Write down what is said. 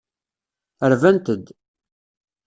Rbant-d.